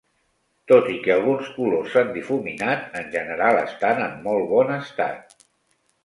Tot i que alguns colors s'han difuminat, en general estan en molt bon estat.